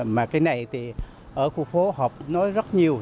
mà cái này thì ở khu phố họp nói rất nhiều